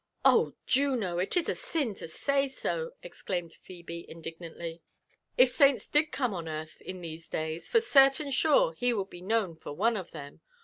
" Oh, Juno I it is a sin to say so !" exclaimed Phebe indignandy. "If saints did come on earth in these days, for certain sure he would be^known foroneof them.